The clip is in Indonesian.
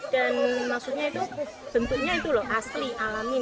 dan maksudnya itu bentuknya itu loh asli alamin